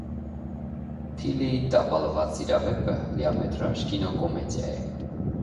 «Թիլլիի տապալված սիրավեպը» լիամետրաժ կինոկոմեդիա է։